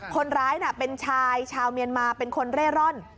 คนร้ายเป็นชายชาวเมียนมาเป็นคนเร่ร่อน